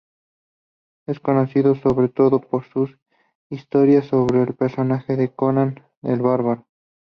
Es conocido sobre todo por sus historias sobre el personaje de Conan el Bárbaro.